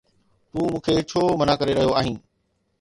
تون مون کي ڇو منع ڪري رهيو آهين؟